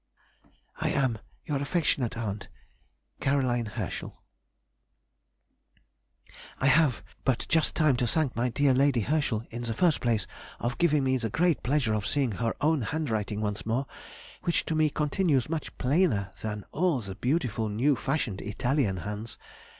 I am, your affectionate aunt, CAR. HERSCHEL. [Sidenote: 1828. Thanks for Bracelets.] I have but just time to thank my dear Lady Herschel, in the first place of giving me the great pleasure of seeing her own handwriting once more, which to me continues much plainer than all the beautiful new fashioned Italian hands.